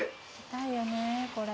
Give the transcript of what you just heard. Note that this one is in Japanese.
痛いよねこれ。